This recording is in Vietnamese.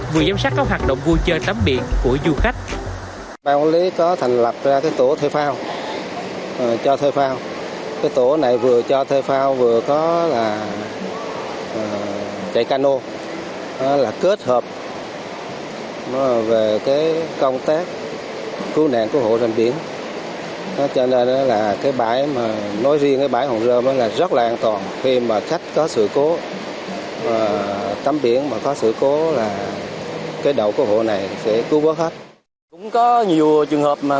vừa giám sát các hoạt động vui chơi tắm biển của du khách